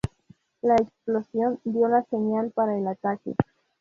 La explosión dio la señal para el ataque.